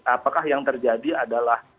apakah yang terjadi adalah